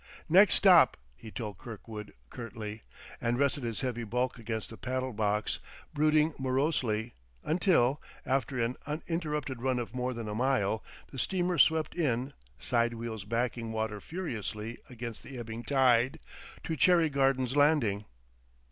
"Next stop," he told Kirkwood curtly; and rested his heavy bulk against the paddle box, brooding morosely, until, after an uninterrupted run of more than a mile, the steamer swept in, side wheels backing water furiously against the ebbing tide, to Cherry Gardens landing.